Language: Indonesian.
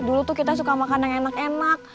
dulu tuh kita suka makan yang enak enak